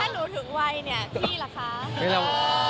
ถ้าหนูถึงวัยเนี่ยคี่หรอคะ